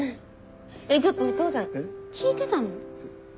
えっちょっとお父さん聞いてたの？